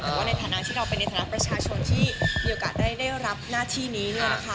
แต่ว่าในฐานะที่เราเป็นในฐานะประชาชนที่มีโอกาสได้รับหน้าที่นี้